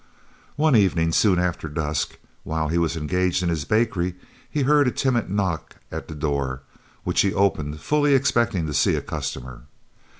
One evening, soon after dusk, while he was engaged in his bakery, he heard a timid knock at the door, which he opened, fully expecting to see a customer.